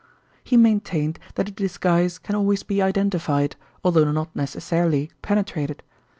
He maintained that a disguise can always be identified, although not necessarily penetrated.